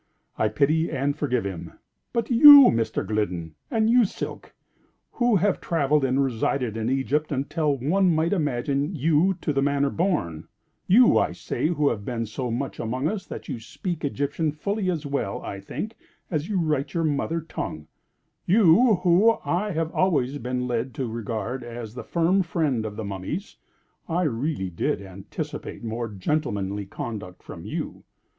I pity and forgive him. But you, Mr. Gliddon—and you, Silk—who have travelled and resided in Egypt until one might imagine you to the manor born—you, I say who have been so much among us that you speak Egyptian fully as well, I think, as you write your mother tongue—you, whom I have always been led to regard as the firm friend of the mummies—I really did anticipate more gentlemanly conduct from you.